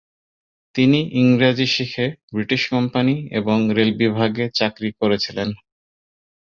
তিনি ইংরাজি শিখে ব্রিটিশ কোম্পানি এবং রেল বিভাগে চাকরি করেছিলেন।